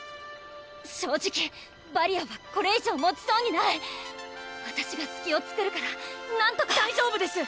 正直バリアーはこれ以上もちそうにないわたしが隙を作るからなんとか大丈夫です！